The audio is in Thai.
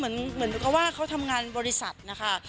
เหมือนกับว่าเขาทำงานบริษัทนะคะ